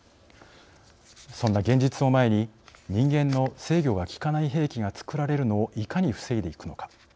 そんな現実を前に人間の制御が効かない兵器が造られるのをいかに防いでいくのか。